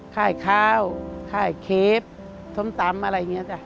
ค่ายข้าวค่ายเคฟส้มตำอะไรอย่างนี้จ้ะ